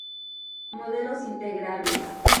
Modelos integrables.